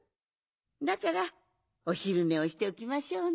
だからおひるねをしておきましょうね。